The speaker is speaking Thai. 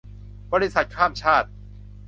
บริษัทข้ามชาติ